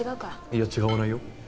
いや違わないよ。